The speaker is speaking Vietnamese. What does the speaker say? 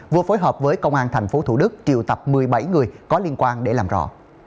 vừa phối hợp với công an tp thủ đức triệu tập một mươi bảy người có liên quan để làm rõ